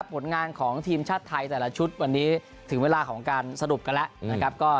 ผลงานของทีมชาติไทยแต่ละชุดวันนี้ถึงเวลาของการสรุปกันแล้วนะครับ